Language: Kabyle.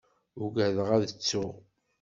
Ugadeɣ ad ttuɣ.